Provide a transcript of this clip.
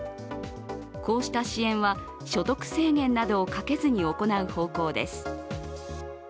こうした支援は所得制限などをかけずに行う方向です。